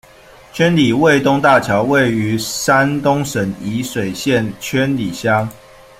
圈里卫东大桥，位于山东省沂水县圈里乡。